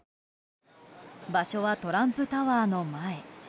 場所はトランプタワーの前。